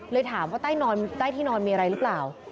เลยถามว่าใต้ที่นอนมีอะไรหรือเปล่า